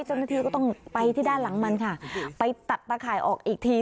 เจ้าหน้าที่ก็ต้องไปที่ด้านหลังมันค่ะไปตัดตะข่ายออกอีกที